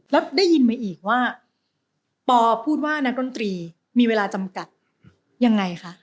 แล้วได้ยินมาอีกว่าปอพูดว่านักดนตรีมีเวลาจำกัดยังไงคะ